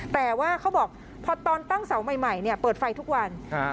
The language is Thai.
แต่ว่าเขาบอกพอตอนตั้งเสาใหม่เนี่ยเปิดไฟทุกวัน